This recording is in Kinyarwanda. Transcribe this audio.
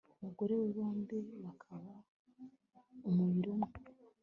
mugore we, bombi bakaba umubiri umwe